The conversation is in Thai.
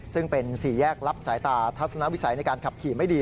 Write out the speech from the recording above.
ซึ่งเป็นสี่แยกรับสายตาทัศนวิสัยในการขับขี่ไม่ดี